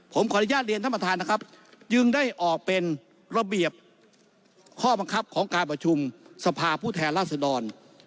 ผมขออนุญาตเรียนท่านประธานนะครับจึงได้ออกเป็นระเบียบข้อบังคับของการประชุมสภาผู้แทนราษดร